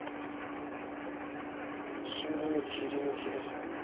新聞の切り抜きですね。